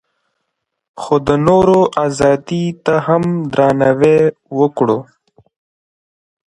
خو د نورو ازادۍ ته هم درناوی وکړو.